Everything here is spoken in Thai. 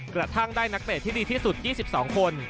กระทั่งได้นักเตะที่ดีที่สุด๒๒คน